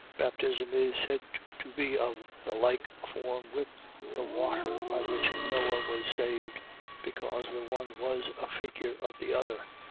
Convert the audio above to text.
.Baptism is said to be of the like form with the water by which Noe was saved, because the one was a figure of the other.